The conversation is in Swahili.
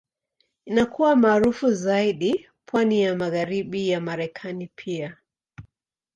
Inakuwa maarufu zaidi pwani ya Magharibi ya Marekani pia.